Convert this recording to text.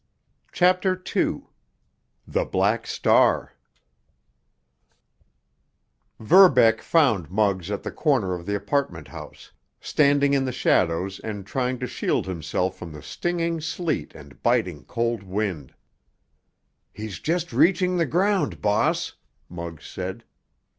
CHAPTER II—THE BLACK STAR Verbeck found Muggs at the corner of the apartment house, standing in the shadows and trying to shield himself from the stinging sleet and biting cold wind. "He's just reaching the ground, boss," Muggs said.